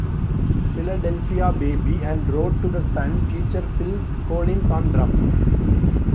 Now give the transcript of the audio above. "Philadelphia Baby" and "Road to the Sun" feature Phil Collins on drums.